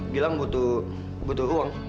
gilang butuh butuh uang